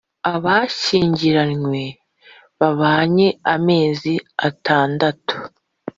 abashyingiranywe babanye amezi atandatu